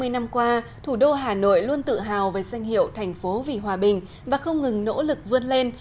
hai mươi năm qua thủ đô hà nội luôn tự hào về danh hiệu thành phố vì hòa bình và không ngừng nỗ lực vươn lên